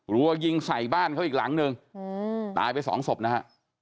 รัวยิงใส่บ้านเขาอีกหลังนึงตายไปสองศพนะฮะ